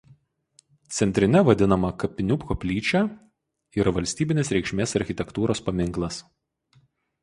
Centrine vadinama kapinių koplyčia yra valstybinės reikšmės architektūros paminklas.